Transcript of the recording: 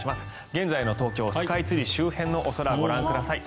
現在の東京スカイツリー周辺のお空ご覧ください。